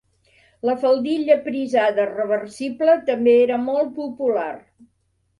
La faldilla prisada reversible també era molt popular.